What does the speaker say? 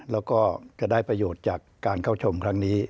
แล้วก็จะได้ประโยชน์จากการเข้าชมครั้งนี้